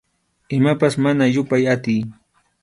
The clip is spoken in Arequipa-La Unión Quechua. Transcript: Imapas mana yupay atiy.